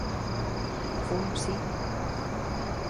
Fun, si.